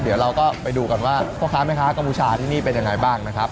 เดี๋ยวเราก็ไปดูกันว่าพ่อค้าแม่ค้ากัมพูชาที่นี่เป็นยังไงบ้างนะครับ